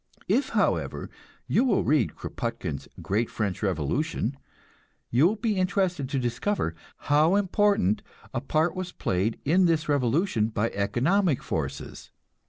If, however, you will read Kropotkin's "Great French Revolution," you will be interested to discover how important a part was played in this revolution by economic forces.